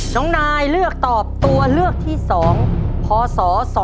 น้องนายเลือกตอบตัวเลือกที่๒พศ๒๕๖